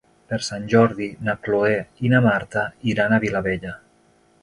Per Sant Jordi na Cloè i na Marta iran a Vilabella.